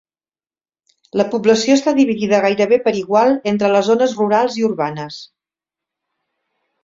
La població està dividida gairebé per igual entre les zones rurals i urbanes.